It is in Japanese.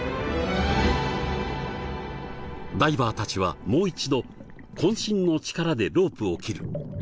ダイバーたちはもう一度渾身の力でロープを切る。